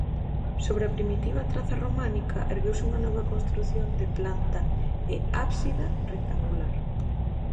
Sobre a primitiva traza románica, ergueuse unha nova construción de planta e ábsida rectangular.